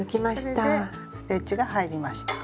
それでステッチが入りました。